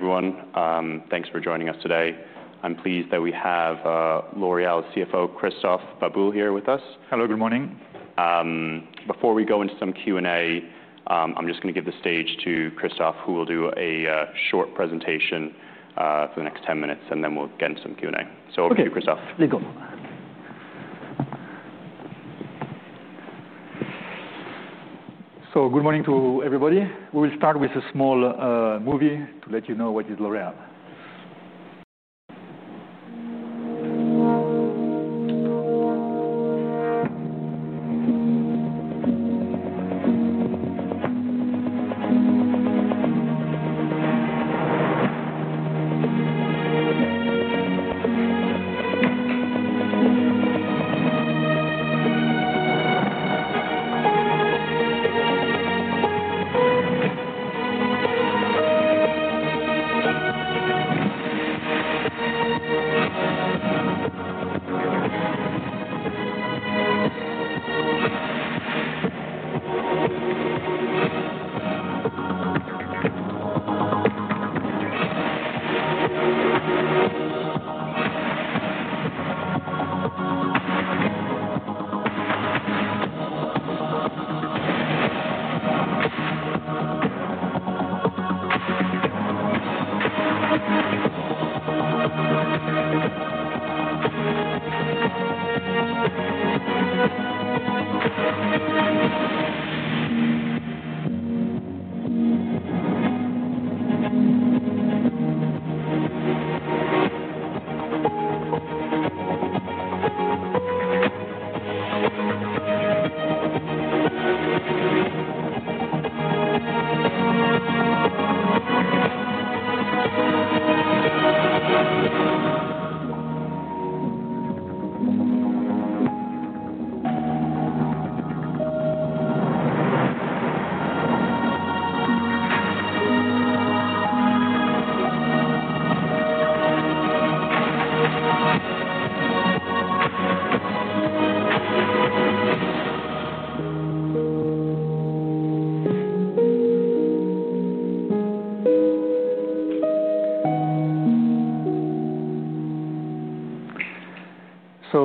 morning, everyone. Thanks for joining us today. I'm pleased that we have L'Oreal CFO, Christophe Baboule, here with us. Before we go into some Q and A, I'm just going to give the stage to Christophe, who will do a short presentation SUNDSTROM:] for the next ten minutes, and then we'll get into some Q and A. So over Okay. To you Christophe. So good morning to everybody. We will start with a small movie to let you know what is L'Oreal.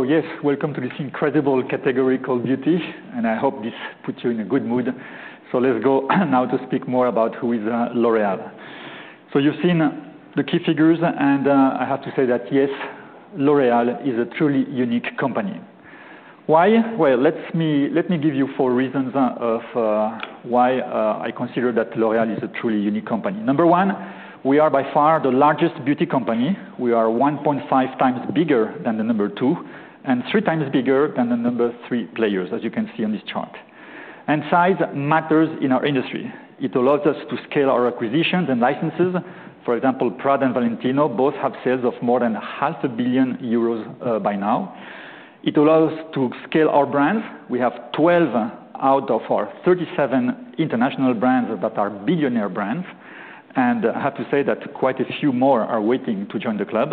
So yes, welcome to this incredible category called Beauty, and I hope this puts you in a good mood. So let's go now to speak more about who is L'Oreal. So you've seen the key figures, and I have to say that, yes, L'Oreal is a truly unique company. Why? Well, let me give you four reasons of why I consider that L'Oreal is a truly unique company. Number one, we are by far the largest beauty company. We are 1.5 times bigger than the number two and three times bigger than the number three players, as you can see on this chart. And size matters in our industry. It allows us to scale our acquisitions and licenses. For example, Prada and Valentino both have sales of more than EUR $05,000,000,000 by now. It allows us to scale our brands. We have 12 out of our 37 international brands that are billionaire brands, And I have to say that quite a few more are waiting to join the club.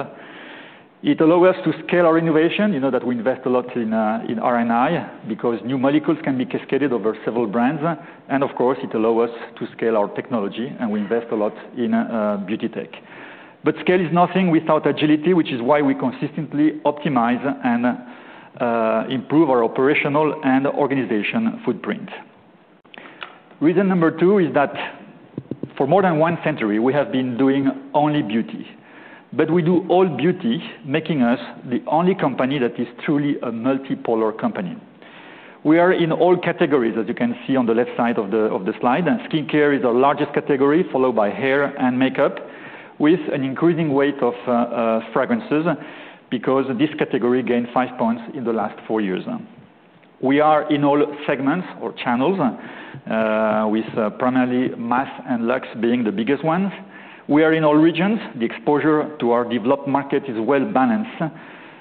It allow us to scale our innovation. You know that we invest a lot in R and I because new molecules can be cascaded over several brands. And of course, it allow us to scale our technology, and we invest a lot in beauty tech. But scale is nothing without agility, which is why we consistently optimize and improve our operational and organization footprint. Reason number two is that for more than one century, we have been doing only beauty, but we do all beauty, making us the only company that is truly a multipolar company. We are in all categories, as you can see on the left side of the slide, and skincare is our largest category, followed by hair and makeup, with an increasing weight of fragrances because this category gained five points in the last four years. We are in all segments or channels with primarily mass and lux being the biggest ones. We are in all regions. The exposure to our developed market is well balanced.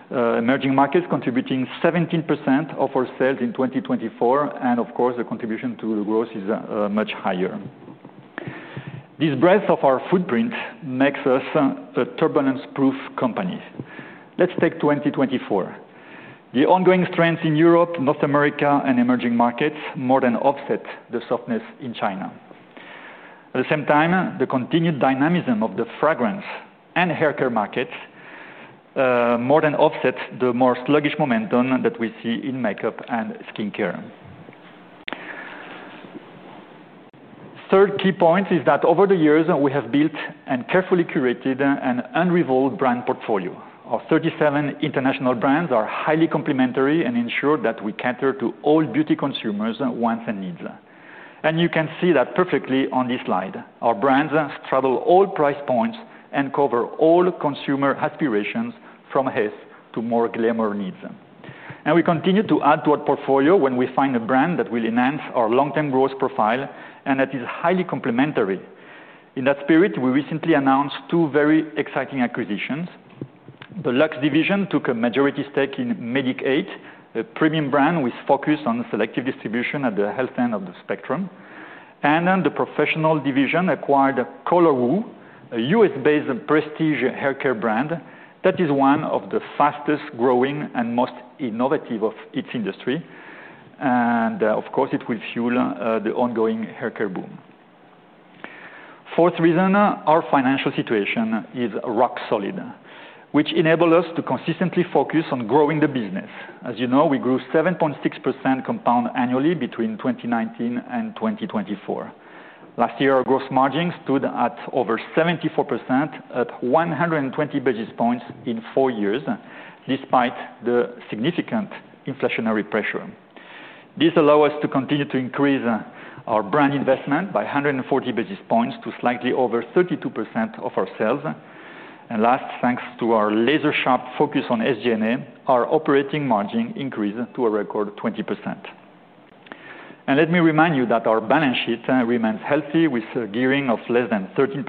Emerging markets contributing 17% of our sales in 2024, and of course, the contribution to the growth is much higher. This breadth of our footprint makes us a turbulence proof company. Let's take 2024. The ongoing strength in Europe, North America and emerging markets more than offset the softness in China. At the same time, the continued dynamism of the fragrance and hair care markets more than offset the more sluggish momentum that we see in makeup and skincare. Third key point is that over the years, we have built and carefully curated an unrevolved brand portfolio. Our 37 international brands are highly complementary and ensure that we cater to all beauty consumers' wants and needs. And you can see that perfectly on this slide. Our brands travel all price points and cover all consumer aspirations from Hess to more glamour needs. And we continue to add to our portfolio when we find a brand that will enhance our long term growth profile and that is highly complementary. In that spirit, we recently announced two very exciting acquisitions. The Luxe division took a majority stake in Medic8, a premium brand with focus on selective distribution at the health end of the spectrum. And then the Professional division acquired ColorWoo, a U. S.-based prestige hair care brand that is one of the fastest growing and most innovative of its industry. And of course, it will fuel the ongoing hair care boom. Fourth reason, our financial situation is rock solid, which enable us to consistently focus on growing the business. As you know, we grew 7.6% compound annually between 2019 and 2024. Last year, our gross margin stood at over 74%, up 120 basis points in four years despite the significant inflationary pressure. This allow us to continue to increase our brand investment by 140 basis points to slightly over 32% of our sales. And last, thanks to our laser sharp focus on SG and A, our operating margin increased to a record 20%. And let me remind you that our balance sheet remains healthy with gearing of less than 13%,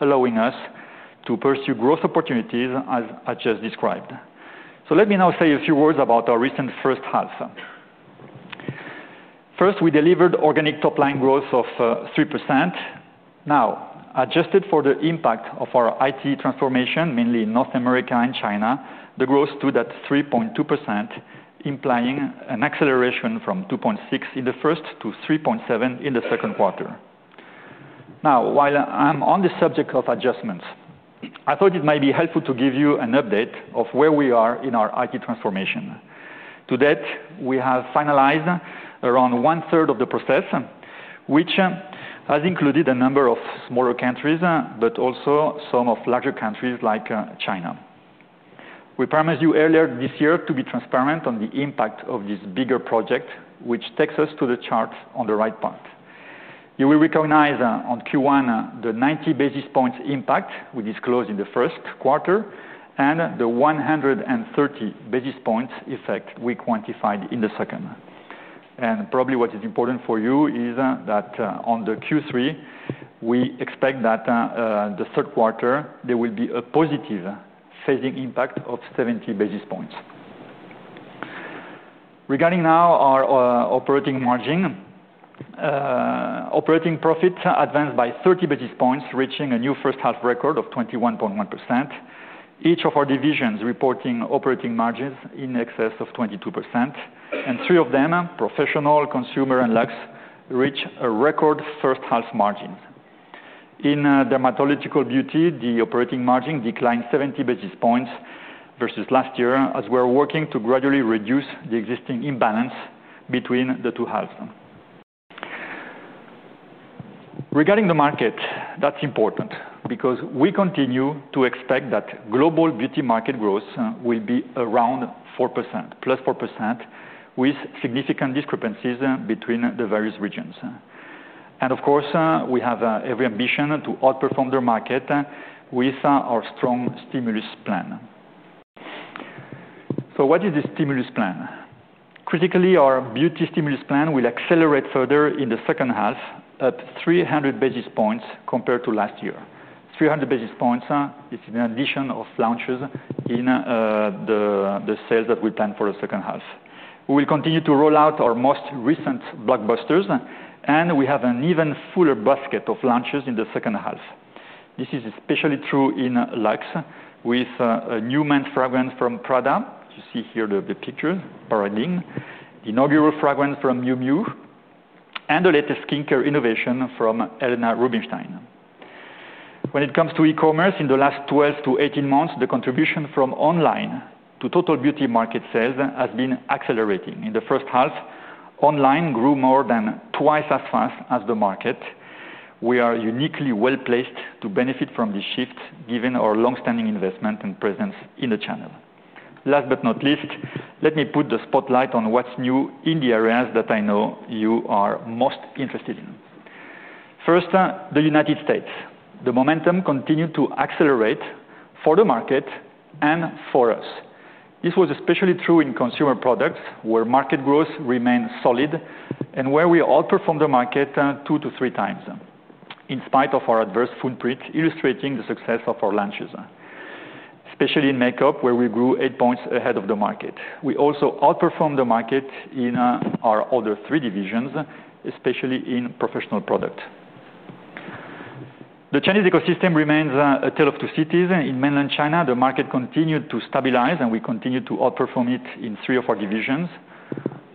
allowing us to pursue growth opportunities as I just described. So let me now say a few words about our recent first half. First, we delivered organic top line growth of 3%. Now adjusted for the impact of our IT transformation, mainly in North America and China, the growth stood at 3.2%, implying an acceleration from 2.6% in the first to 3.7% in the second quarter. Now while I'm on the subject of adjustments, I thought it might be helpful to give you an update of where we are in our IT transformation. To date, we have finalized around one third of the process, which has included a number of smaller countries, but also some of larger countries like China. We promised you earlier this year to be transparent on the impact of this bigger project, which takes us to the chart on the right part. You will recognize on Q1 the 90 basis points impact we disclosed in the first quarter and the 130 basis points effect we quantified in the second. And probably what is important for you is expect that the third quarter, there will be a positive phasing impact of 70 basis points. Regarding now our operating margin, operating profit advanced by 30 basis points, reaching a new first half record of 21.1%. Each of our divisions reporting operating margins in excess of 22%. And three of them Professional, Consumer and Luxe reached a record first half margin. In Dermatological Beauty, the operating margin declined 70 basis points versus last year as we are working to gradually reduce the existing imbalance between the two halves. Regarding the market, that's important, because we continue to expect that global Beauty market growth will be around 4%, plus 4%, with significant discrepancies between the various regions. And of course, we have every ambition to outperform the market with our strong stimulus plan. So what is the stimulus plan? Critically, our Beauty stimulus plan will accelerate further in the second half, up 300 basis points compared to last year. 300 basis points is in addition of launches in the sales that we planned for the second half. We will continue to roll out our most recent blockbusters, and we have an even fuller basket of launches in the second half. This is especially true in Luxe with a new men's fragrance from Prada, you see here the picture, Parading, inaugural fragrance from Miu Miu and the latest skincare innovation from Helena Rubinstein. When it comes to e commerce, in the last twelve to eighteen months, the contribution from online to total beauty market sales has been accelerating. In the first half, online grew more than twice as fast as the market. We are uniquely well placed to benefit from this shift given our long standing investment and presence in the channel. Last but not least, let me put the spotlight on what's new in the areas that I know you are most interested in. First, United States. The momentum continued to accelerate for the market and for us. This was especially true in Consumer Products, where market growth remained solid and where we outperformed the market two to three times, in spite of our adverse footprint, illustrating the success of our launches, especially in makeup, where we grew eight points ahead of the market. We also outperformed the market in our other three divisions, especially in Professional Products. The Chinese ecosystem remains a tale of two cities. In Mainland China, the market continued to stabilize and we continue to outperform it in three of our divisions.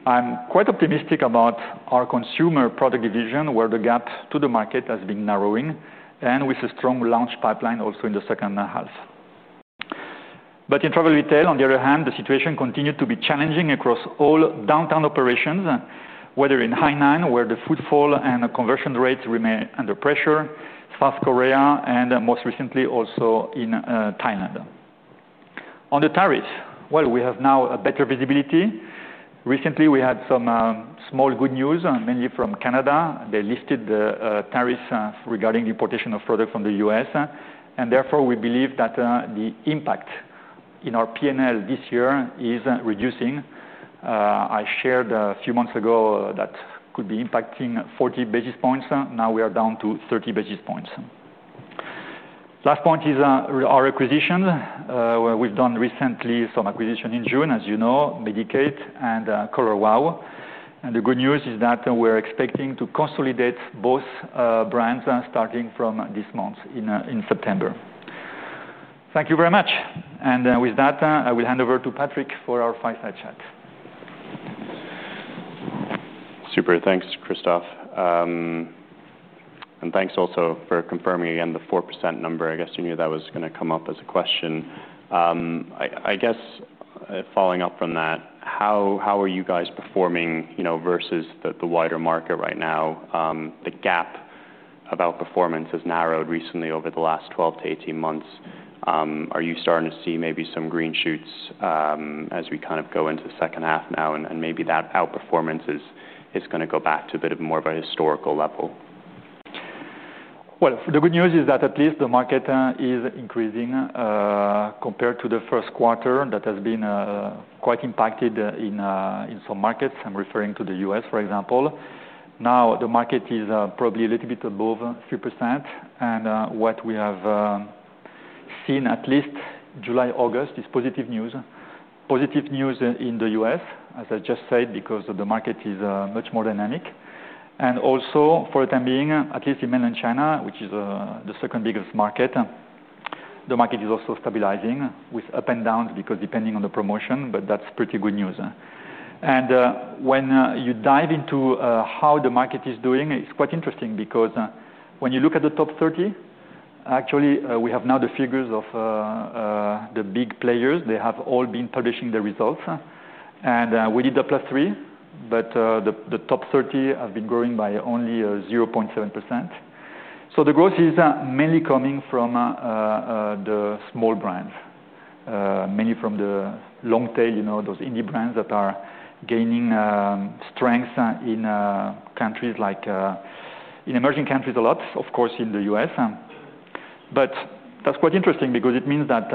I'm quite optimistic about our Consumer Product division, where the gap to the market has been narrowing and with a strong launch pipeline also in the second half. But in Travel Retail, on the other hand, the situation continued to be challenging across all downtown operations, whether in Hainan where the footfall and conversion rates remain under pressure, South Korea and most recently also in Thailand. On the tariffs, well, we have now a better visibility. Recently, we had some small good news, mainly from Canada. They listed tariffs regarding deportation of product from The U. S. And therefore, we believe that the impact in our P and L this year is reducing. I shared a few months ago that could be impacting 40 basis points. We are down to 30 basis points. Last point is our acquisition. We've done recently some acquisition in June, as you know, Medicaid and ColorWow. And the good news is that we're expecting to consolidate both brands starting from this month in September. Thank you very much. And with that, I will hand over to Patrick for our fireside chat. Super. Thanks, Christophe. And thanks also for confirming again the 4% number. I guess you knew that was going to come up as a question. I guess following up from that, how are you guys performing versus the wider market right now? The gap of outperformance has narrowed recently over the last twelve to eighteen months. Are you starting to see maybe some green shoots as we kind of go into the second half now? And maybe that outperformance is going to go back to a bit of more of a historical level. Well, the good news is that at least the market is increasing compared to the first quarter that has been quite impacted in some markets. I'm referring to The U. S, for example. Now the market is probably a little bit above 3%. And what we have seen at least July, August is positive news. Positive news in The U. S, as I just said, because the market is much more dynamic. And also, for the time being, at least in Mainland China, which is the second biggest market, the market is also stabilizing with up and downs because depending on the promotion, but that's pretty good news. And when you dive into how the market is doing, it's quite interesting because when you look at the top 30, actually, we have now the figures of the big players. They have all been publishing the results. And we did the plus 3%, but the top 30 have been growing by only 0.7%. So the growth is mainly coming from the small brands, mainly from the long tail, those indie brands that are gaining strength in countries like in emerging countries a lot, of course, The U. S. But that's quite interesting because it means that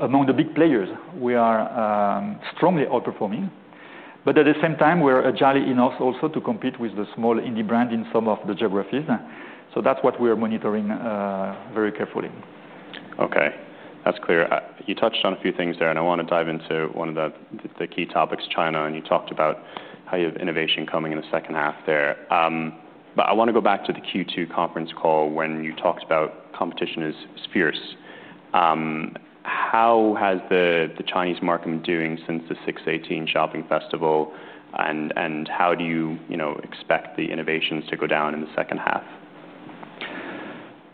among the big players, we are strongly outperforming. But at the same time, we're agile enough also to compete with the small indie brand in some of the geographies. So that's what we are monitoring very carefully. Okay. That's clear. You touched on a few things there, I want to dive into one of the key topics, China, and you talked about how you have innovation coming in the second half there. But I want to go back to the Q2 conference call when you talked about competition is fierce. How has the Chinese market been doing since the six point eight shopping festival? And how do you expect the innovations to go down in the second half?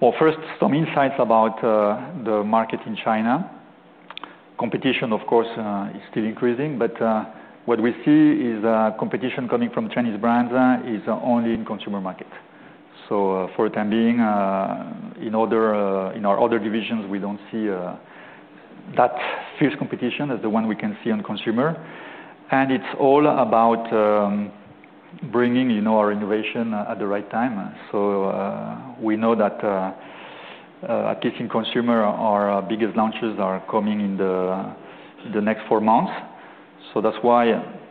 Well, first, some insights about the market in China. Competition, of course, is still increasing. But what we see is competition coming from Chinese brands is only in consumer market. So for the time being, in other in our other divisions, we don't see that fierce competition as the one we can see on Consumer. And it's all about bringing our innovation at the right time. So we know that at Kissing Consumer, our biggest launches are coming in the next four months. So that's why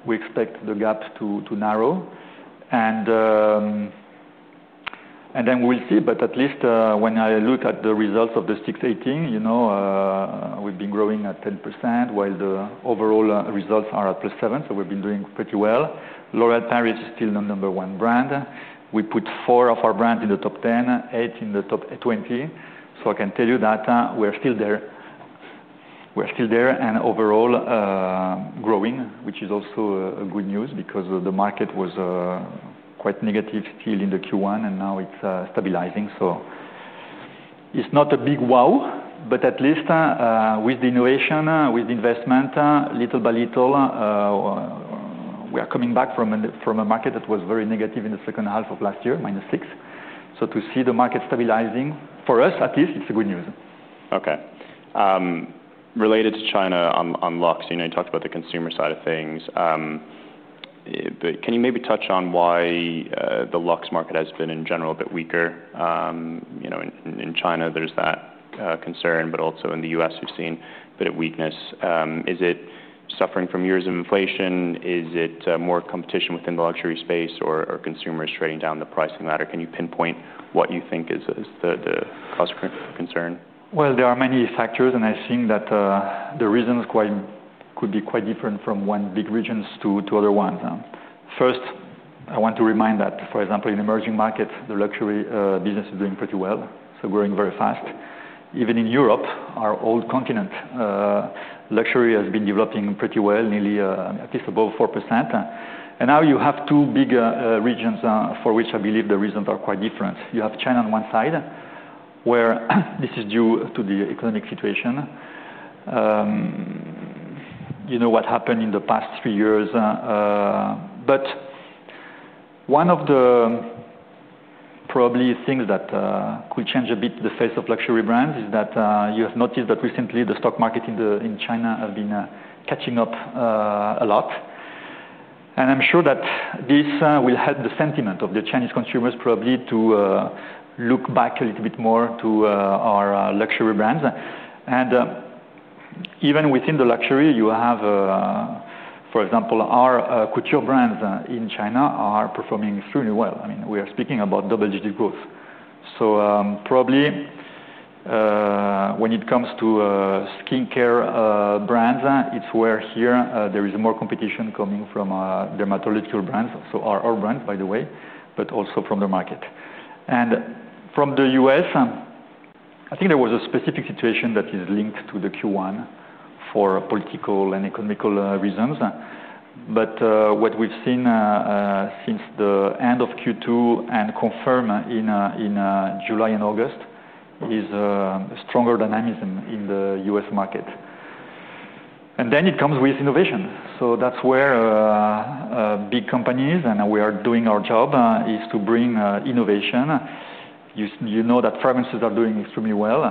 we expect the gap to narrow. And then we'll see. But at least when I look at the results of the 06/18, we've been growing at 10%, while the overall results are at plus seven so we've been doing pretty well. L'Oreal Paris is still the number one brand. We put four of our brands in the top ten, eight in the top 20. So I can tell you that we are still there. We are still there and overall growing, which is also a good news because the market was quite negative still in the Q1, and now it's stabilizing. So it's not a big wow, but at least with the innovation, with investment, little by little, we are coming back from a market that was very negative in the second half of last year, minus 6%. So to see the market stabilizing, for us at least, it's a good news. Okay. Related to China on LUX, you talked about the consumer side of things. But can you maybe touch on why the LUX market has been in general a bit weaker? In China, there's that concern, but also in The U. S, we've seen a bit of weakness. Is it suffering from years of inflation? Is it more competition within the luxury space? Or are consumers trading down the pricing ladder? Can you pinpoint what you think is the cost of concern? Well, there are many factors, and I think that the reasons quite could be quite different from one big regions to other ones. First, I want to remind that, for example, in emerging markets, the luxury business is doing pretty well, so growing very fast. Even in Europe, our old continent, luxury has been developing pretty well, nearly at least above 4%. And now you have two big regions for which I believe the reasons are quite different. You have China on one side, where this is due to the economic situation. You know what happened in the past three years. But one of the probably things that could change a bit the face of luxury brands is that you have noticed that recently, the stock market in China have been catching up a lot. And I'm sure that this will help the sentiment of the Chinese consumers probably to look back a little bit more to our luxury brands. And even within the luxury, you have, for example, our couture brands in China are performing extremely well. I mean, we are speaking about double digit growth. So probably when it comes to skincare brands, it's where here there is more competition coming from dermatological brands, so our brands, by the way, but also from the market. And from The U. S, I think there was a specific situation that is linked to the Q1 for political and economical reasons. But what we've seen since the end of Q2 and confirm in July and August is stronger dynamic in The U. S. Market. And then it comes with innovation. So that's where big companies and we are doing our job is to bring innovation. You know that fragrances are doing extremely well.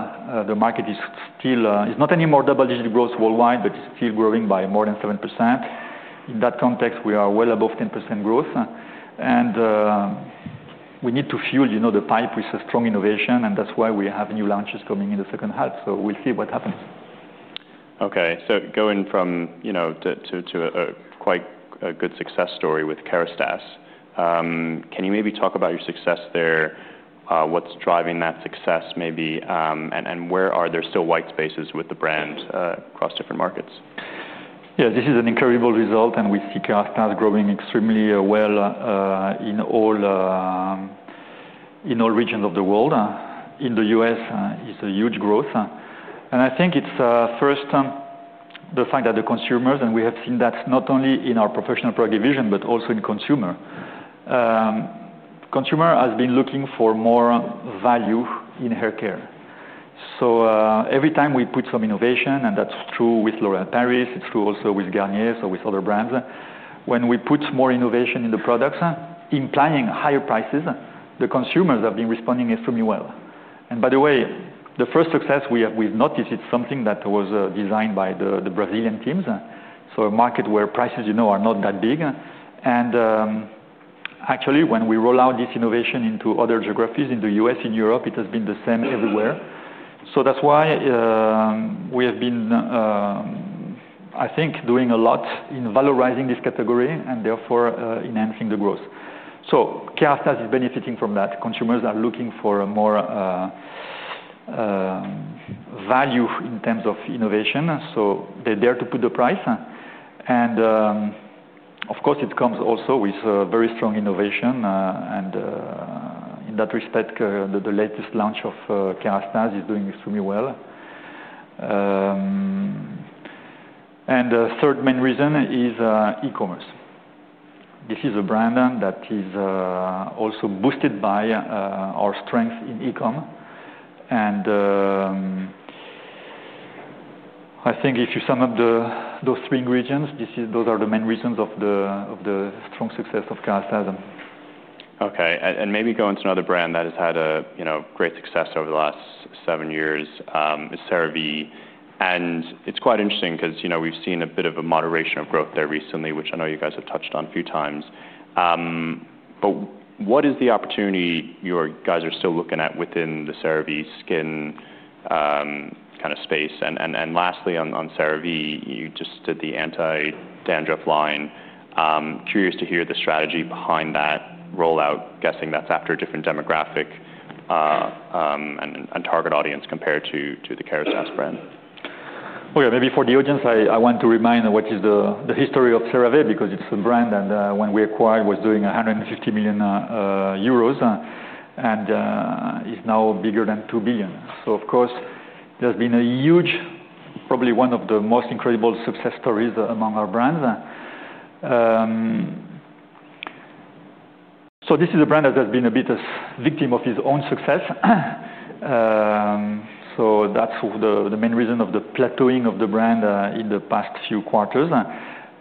The market is still it's not anymore double digit growth worldwide, but it's still growing by more than 7%. In that context, we are well above 10% growth. And we need to fuel the pipe with a strong innovation, and that's why we have new launches coming in the second half. So we'll see what happens. Okay. So going from to a quite good success story with Kerastase, Can you maybe talk about your success there? What's driving that success maybe? And where are there still white spaces with the brand across different markets? Yes. This is an incredible result, and we see Kerastase growing extremely well in all regions of the world. In The U. S, it's a huge growth. And I think it's first the fact that the consumers, and we have seen that not only in our Professional Product division but also in consumer, Consumer has been looking for more value in hair care. So every time we put some innovation, and that's true with L'Oreal Paris, it's true also with Garnier, so with other brands, when we put more innovation in the products, implying higher prices, the consumers have been responding extremely well. And by the way, the first success we've noticed, it's something that was designed by the Brazilian teams, so a market where prices are not that big. And actually, when we roll out this innovation into other geographies in The U. S, in Europe, it has been the same everywhere. So that's why we have been, I think, doing a lot in valorizing this category and therefore enhancing the growth. So Kerastase is benefiting from that. Consumers are looking for more value in terms of innovation, so they dare to put the price. And of course, it comes also with very strong innovation. And in that respect, the latest launch of Kerastase is doing extremely well. And the third main reason is e commerce. This is a brand that is also boosted by our strength in e com. And I think if you sum up those three ingredients, this is those are the main reasons of the strong success of Carlyle Stazem. Okay. And maybe going to another brand that has had a great success over the last seven years, CeraVe. And it's quite interesting because we've seen a bit of a moderation of growth there recently, which I know you guys have touched on a few times. But what is the opportunity you guys are still looking at within the CeraVe skin kind of space? And lastly, on CeraVe, you just did the anti dandruff line. Curious to hear the strategy behind that rollout, guessing that's after a different demographic and target audience compared to the Kerastase brand. Well, yes, maybe for the audience, I want to remind what is the history of CeraVe because it's a brand and when we acquired, it was doing €150,000,000 and is now bigger than €2,000,000,000 So of course, there's been a huge, probably one of the most incredible success stories among our brands. So this is a brand that has been a bit of victim of its own success. So that's the main reason of the plateauing of the brand in the past few quarters.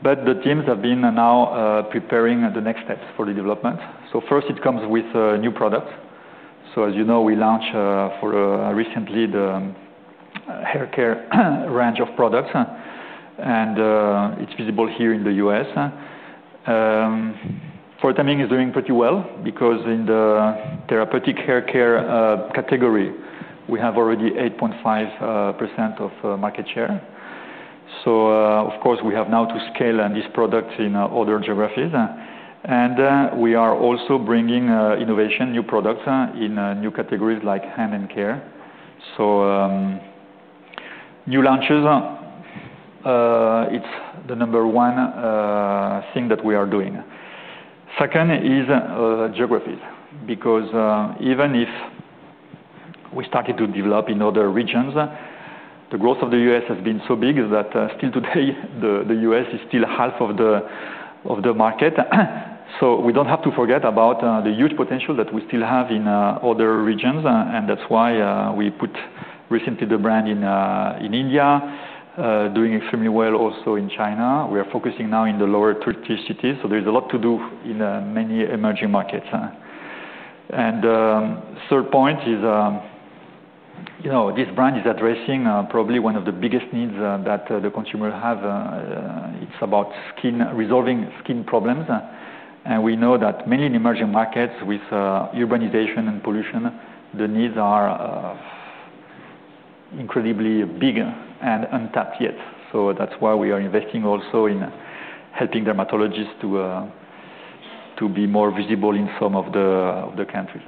But the teams have been now preparing the next steps for the development. So first, it comes with new products. So as you know, we launched for recently the hair care range of products, and it's visible here in The U. S. Fortaming is doing pretty well because in the therapeutic hair care category, we have already 8.5 of market share. So of course, we have now to scale this product in other geographies. And we are also bringing innovation, new products in new categories like hand and care. So new launches, it's the number one thing that we are doing. Second is geographies, because even if we started to develop in other regions, the growth of The U. S. Has been so big that still today, The U. S. Is still half of the market. So we don't have to forget about the huge potential that we still have in other regions, and that's why we put recently the brand in India, doing extremely well also in China. We are focusing now in the lower tier cities. So there's a lot to do in many emerging markets. And third point is this brand is addressing probably one of the biggest needs that the consumer has. It's about skin resolving skin problems. And we know that many in emerging markets with urbanization and pollution, the needs are incredibly big and untapped yet. So that's why we are investing also in helping dermatologists to be more visible in some of the countries.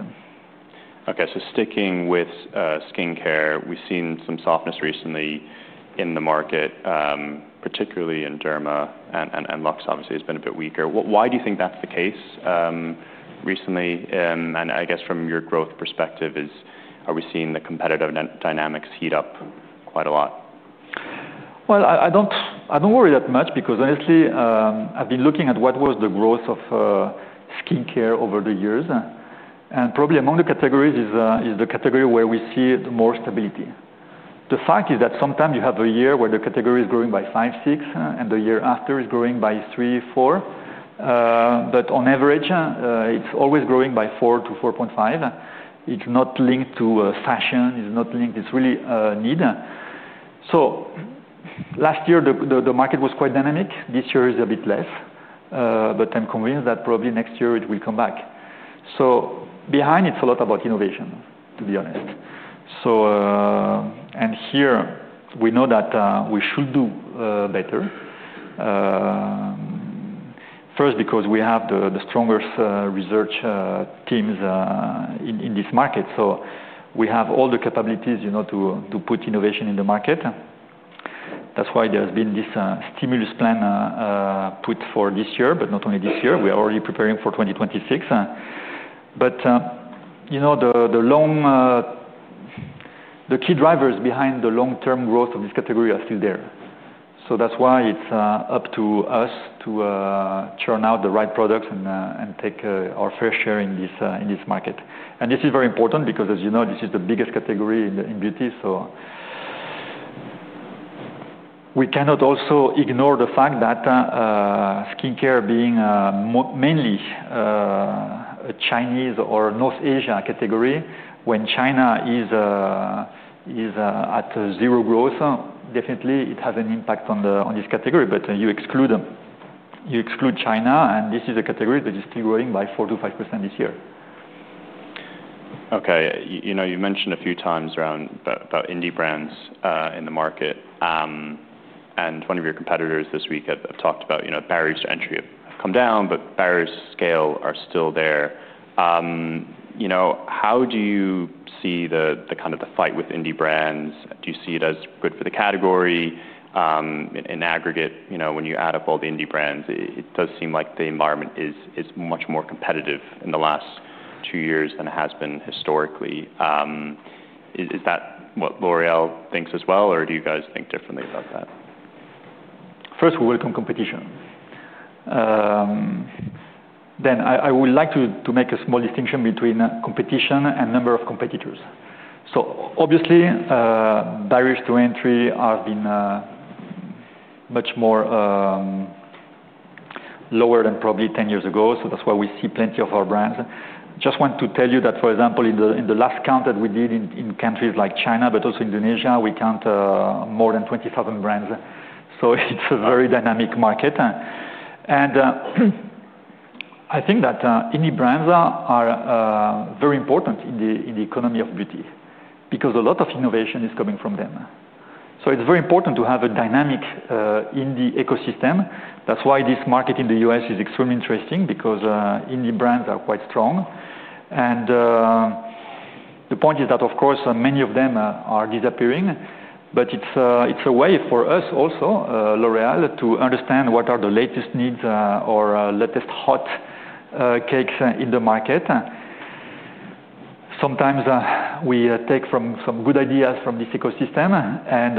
So sticking with skincare, we've seen some softness recently in the market, particularly in derma. And lux, obviously, has been a bit weaker. Why do you think that's the case recently? And I guess from your growth perspective, is are we seeing the competitive dynamics heat up quite a lot? Well, I don't worry that much because, honestly, I've been looking at what was the growth of skincare over the years. And probably among the categories is the category where we see more stability. The fact is that sometimes you have a year where the category is growing by five, six and the year after is growing by three, four. But on average, it's always growing by four to 4.5. It's not linked to fashion, it's not linked it's really a need. So last year, the market was quite dynamic. This year is a bit less, but I'm convinced that probably next year it will come back. So behind, it's a lot about innovation, to be honest. So and here, we know that we should do better, First, because we have the strongest research teams in this market, so we have all the capabilities to put innovation in the market. That's why there has been this stimulus plan put for this year, but not only this year, we are already preparing for 2026. But the long the key drivers behind the long term growth of this category are still there. So that's why it's up to us to churn out the right products and take our fair share in this market. And this is very important because, as you know, this is the biggest category in beauty. So we cannot also ignore the fact that skincare being mainly a Chinese or North Asia category, when China is at zero growth, definitely, it has an impact on this category. But you China, and this is a category that is still growing by 4% to 5% this year. Okay. You mentioned a few times around about indie brands in the market. And one of your competitors this week have talked about barriers to entry have come down, but barriers to scale are still there. How do you see the kind of the fight with indie brands? Do you see it as good for the category? In aggregate, when you add up all the indie brands, it does seem like the environment is much more competitive in the last two years than it has been historically. Is that what L'Oreal thinks as well? Or do you guys think differently about that? First, we welcome competition. Then I would like to make a small distinction between competition and number of competitors. So obviously, barriers to entry have been much more lower than probably ten years ago, so that's why we see plenty of our brands. Just want to tell you that, for example, in the last count that we did in countries like China, but also Indonesia, we count more than 20,000 brands. So it's a very dynamic market. And I think that any brands are very important in the economy of beauty because a lot of innovation is coming from them. So it's very important to have a dynamic indie ecosystem. That's why this market in The U. S. Is extremely interesting because indie brands are quite strong. And the point is that, of course, many of them are disappearing, but it's a way for us also, L'Oreal, to understand what are the latest needs or latest hot cakes in the market. Sometimes, we take from some good ideas from this ecosystem. And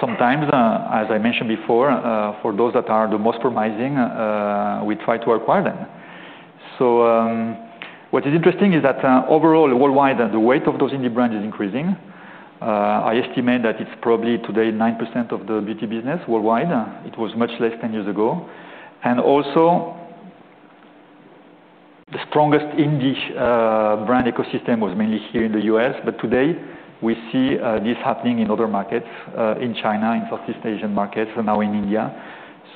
sometimes, as I mentioned before, for those that are the most promising, we try to acquire them. So what is interesting is that overall, worldwide, the weight of those indie brands is increasing. I estimate that it's probably today 9% of the beauty business worldwide. It was much less ten years ago. And also, the strongest in this brand ecosystem was mainly here in The U. S, but today, we see this happening in other markets, in China, in Southeast Asian markets and now in India.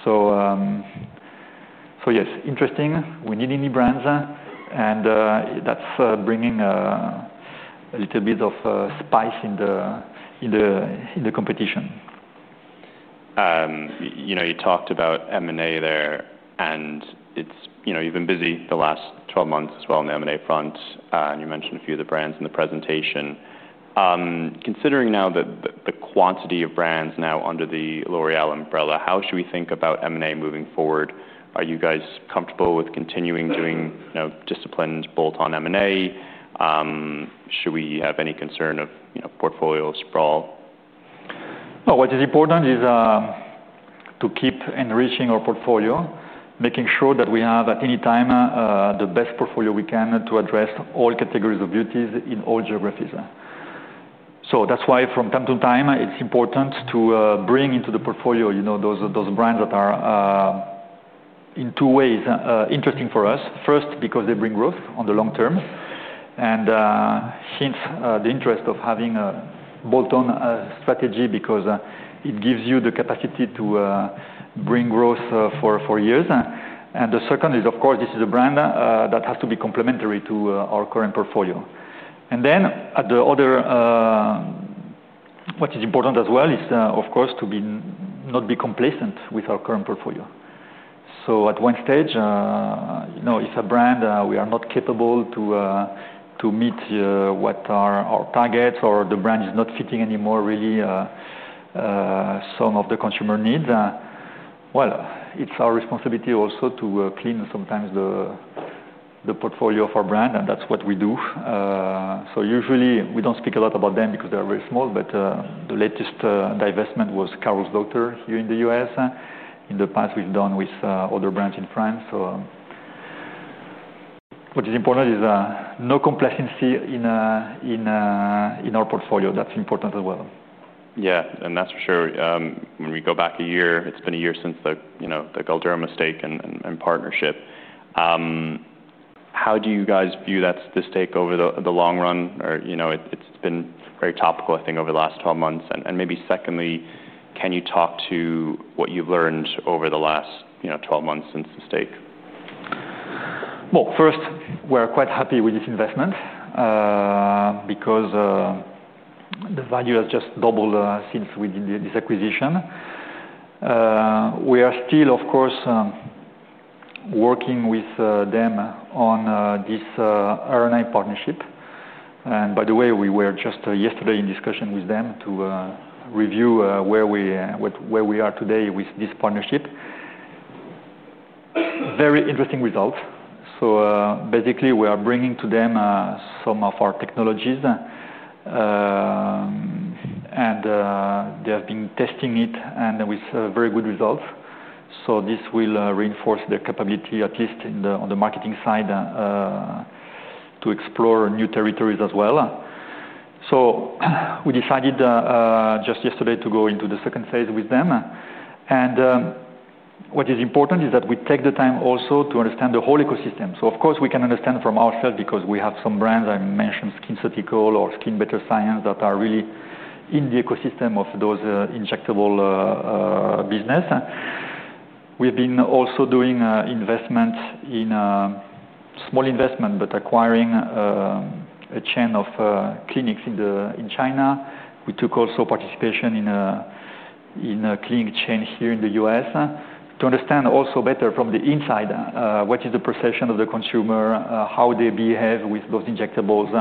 So yes, interesting. We need any brands, that's bringing a little bit of spice in the competition. You talked about M and A there, and it's you've been busy the last twelve months as well on the M and A front, and you mentioned a few of the brands in the presentation. Considering now that the quantity of brands now under the L'Oreal umbrella, how should we think about M and A moving forward? Are you guys comfortable with continuing doing disciplined bolt on M and A? Should we have any concern of portfolio sprawl? No. What is important is to keep enriching our portfolio, making sure that we have at any time the best portfolio we can to address all categories of beauties in all geographies. So that's why from time to time, it's important to bring into the portfolio those brands that are in two ways interesting for us: first, because they bring growth on the long term and hence the interest of having a bolt on strategy because it gives you the capacity to bring growth for years. And the second is, of course, this is a brand that has to be complementary to our current portfolio. And then at the other what is important as well is, of course, to be not be complacent with our current portfolio. So at one stage, if a brand, we are not capable to meet what are our targets or the brand is not fitting anymore really some of the consumer needs, Well, it's our responsibility also to clean sometimes the portfolio of our brand, and that's what we do. So usually, we don't speak a lot about them because they are very small, but latest divestment was Carol's Doctor here in The U. S. In the past, we've done with other brands in France. What is important is no complacency in our portfolio. That's important as well. Yes. And that's for sure. When we go back a year, it's been a year since the Galderma stake and partnership. How do you guys view that stake over the long run? It's been very topical, I think, over the last twelve months. And maybe secondly, can you talk to what you've learned over the last twelve months since the stake? Well, first, we are quite happy with this investment because the value has just doubled since we did this acquisition. We are still, of course, working with them on this R and I partnership. And by the way, we were just yesterday discussion with them to review where we are today with this partnership. Very interesting results. So basically, we are bringing to them some of our technologies, and they have been testing it and we saw very good results. So this will reinforce their capability, at least on the marketing side, to explore new territories as well. So we decided just yesterday to go into the second phase with them. And what is important is that we take the time also to understand the whole ecosystem. So of course, we can understand from ourselves because we have some brands, I mentioned, SkinCeutical or SkinBetterScience that are really in the ecosystem of those injectable business. We have been also doing investments in small investment, but acquiring a chain of clinics in China. We took also participation in a clinic chain here in The U. S. To understand also better from the inside, what is the perception of the consumer, how they behave with those injectables,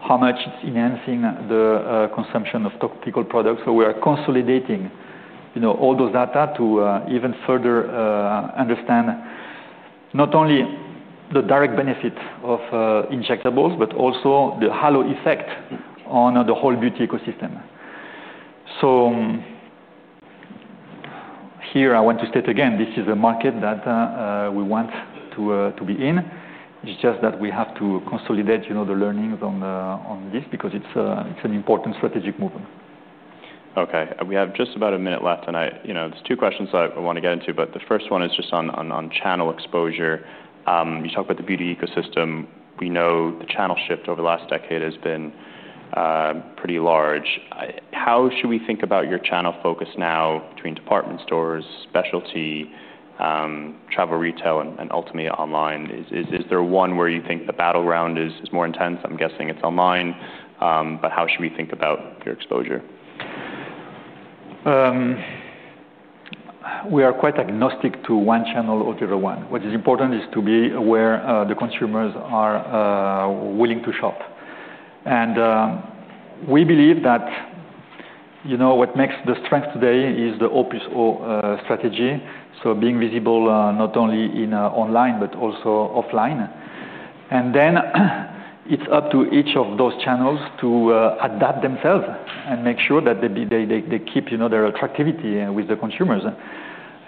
how much it's enhancing the consumption of topical products. So we are consolidating all those data to even further understand not only the direct benefit of injectables, but also the halo effect on the whole beauty ecosystem. So here, I want to state again, this is a market that we want to be in. It's just that we have to consolidate the learnings on this because it's an important strategic movement. Okay. We have just about a minute left, and I there's two questions I want to get into, but the first one is just on channel exposure. You talked about the beauty ecosystem. We know the channel shift over the last decade has been pretty large. How should we think about your channel focus now between department stores, specialty, travel retail and ultimately online? Is there one where you think the battleground is more intense? I'm guessing it's online. But how should we think about your exposure? We are quite agnostic to one channel or the other one. What is important is to be aware the consumers are willing to shop. And we believe that what makes the strength today is the O plus O strategy, so being visible not only in online, but also offline. And then it's up to each of those channels to adapt themselves and make sure that they keep their attractivity with the consumers.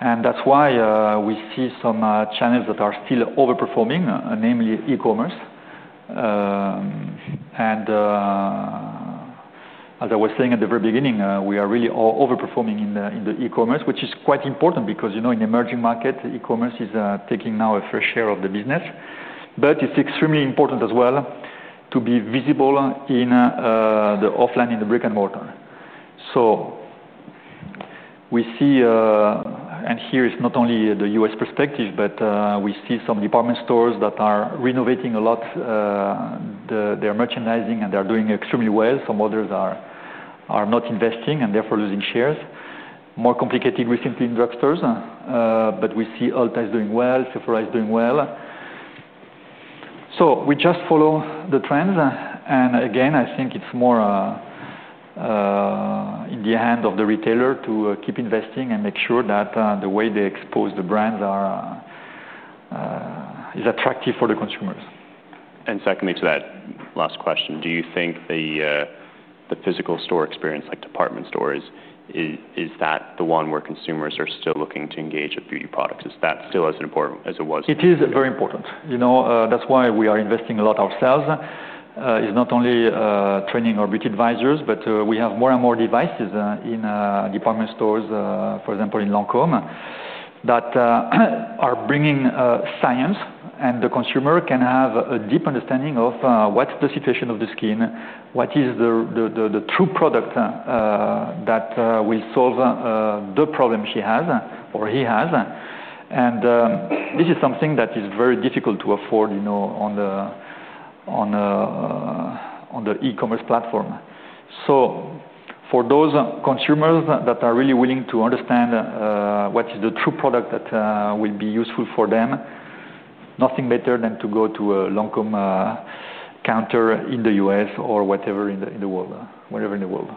And that's why we see some channels that are still overperforming, namely e commerce. And as I was saying at the very beginning, we are really overperforming in the e commerce, which is quite important because in emerging markets, e commerce is taking now a fair share of the business. But it's extremely important as well to be visible in the off line in the brick and mortar. So we see and here is not only The U. S. Perspective, but we see some department stores that are renovating a lot. They are merchandising and they are doing extremely well. Some others are not investing and therefore losing shares. More complicated recently in drugstores, but we see Ulta is doing well, Sephora is doing well. So we just follow the trends. And again, I think it's more in the hands of the retailer to keep investing and make sure that the way they expose the brands are is attractive for the consumers. And secondly, to that last question, do you think the physical store experience like department stores, is that the one where consumers are still looking to engage with beauty products? Is that still as important as it was? It is very important. That's why we are investing a lot ourselves. It's not only training our beauty advisers, but we have more and more devices in department stores, for example, in Lancome, that are bringing science and the consumer can have a deep understanding of what's the situation of the skin, what is the true product that will solve the problem she has or he has. And this is something that is very difficult to afford on the e commerce platform. So for those consumers that are really willing to understand what is the true product that will be useful for them, Nothing better than to go to a Lancome counter in The U. S. Or whatever in the world, wherever in the world.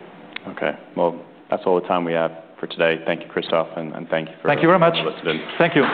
Okay. Well, that's all the time we have for today. Thank you, Christophe, and thank you for listening. Thank you very much. Thank you.